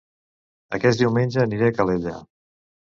Aquest diumenge aniré a Calella